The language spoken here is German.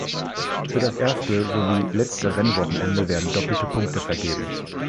Für das erste sowie letzte Rennwochenende werden doppelte Punkte vergeben.